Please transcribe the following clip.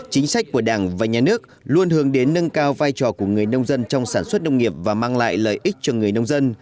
chính sách của đảng và nhà nước luôn hướng đến nâng cao vai trò của người nông dân trong sản xuất nông nghiệp và mang lại lợi ích cho người nông dân